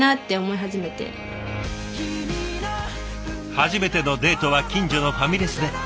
初めてのデートは近所のファミレスで。